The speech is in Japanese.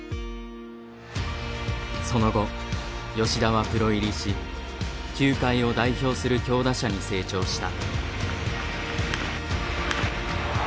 その後吉田はプロ入りし球界を代表する強打者に成長した。